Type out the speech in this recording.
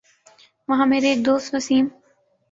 وہاں میرے ایک دوست وسیم